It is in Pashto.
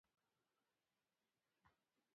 کمیس واغونده!